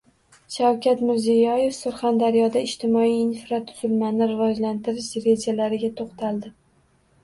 Shavkat Mirziyoyev Surxondaryoda ijtimoiy infratuzilmani rivojlantirish rejalariga to‘xtaldi